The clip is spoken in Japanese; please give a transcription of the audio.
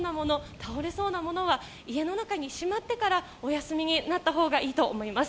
倒れそうなものは家の中にしまってからお休みになったほうがいいと思います。